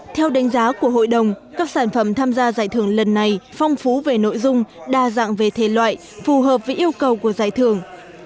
theo đánh giá của hội đồng các sản phẩm tham gia giải thưởng lần này phong phú về nội dung đa dạng về thể loại phù hợp với yêu cầu của giải thưởng